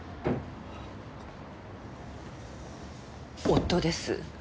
夫です。